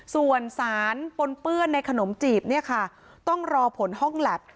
ส่วนสารปนเปื้อนในขนมจีบต้องรอผลห้องแลป